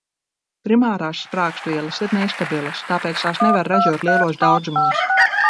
Primārās sprāgstvielas ir nestabilas, tāpēc tās nevar ražot lielos daudzumos.